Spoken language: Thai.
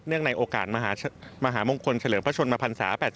ในโอกาสมหามงคลเฉลิมพระชนมพันศา